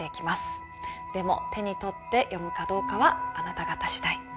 でも手に取って読むかどうかはあなた方次第。